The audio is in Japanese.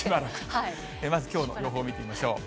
まずきょうの予報見てみましょう。